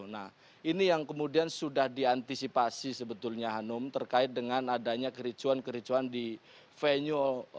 nah ini yang kemudian sudah diantisipasi sebetulnya hanum terkait dengan adanya kericuan kericuan di venue